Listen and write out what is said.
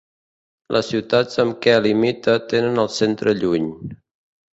Les ciutats amb què limita tenen el centre lluny.